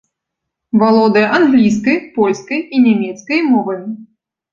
Валодае англійскай, польскай і нямецкай мовамі.